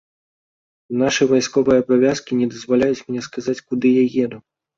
Нашы вайсковыя абавязкі не дазваляюць мне сказаць, куды я еду.